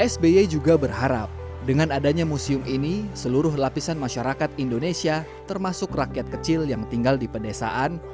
sby juga berharap dengan adanya museum ini seluruh lapisan masyarakat indonesia termasuk rakyat kecil yang tinggal di pedesaan